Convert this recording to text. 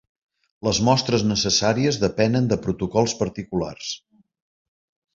Les mostres necessàries depenen de protocols particulars.